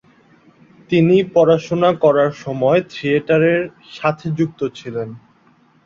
তিনি পড়াশোনা করার সময়েই থিয়েটার এর সাথে যুক্ত ছিলেন।